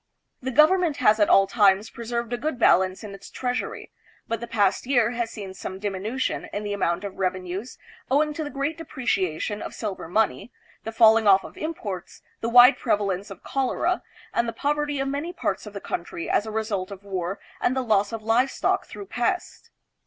The government has at all times preserved a good balance in its treasury; but the past year has seen some diminution in the amount of revenues, owing to the great depreciation of silver money, the fall ing off of imports, the wide prevalence of cholera, and the poverty of many parts of the country as a result of war and the loss of livestock through pest.